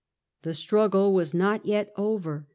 The struggle was not yet over.